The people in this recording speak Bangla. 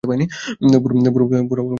বুড়ো বলল, কি হইছে?